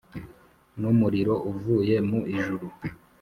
n’umuriro uvuye mu ijuru